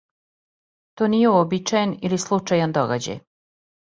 То није уобичајен или случајан догађај.